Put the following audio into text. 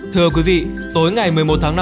thưa quý vị tối ngày một mươi một tháng năm